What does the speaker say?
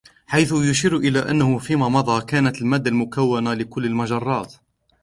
حيث يشير إلى أنه في ما مضى، كانت المادة المكونة لكل المجرات